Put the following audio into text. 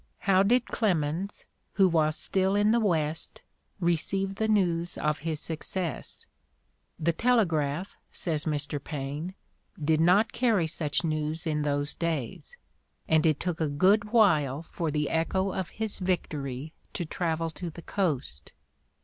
'' How did Clemens, who was still in the "West, receive the news of his success ?'' The tele graph," eays Mr. Paine, "did not carry such news in those days, and it took a good while for the echo of his victory to travel to the Coast.